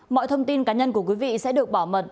mọi thông tin cá nhân của quý vị sẽ được bảo mật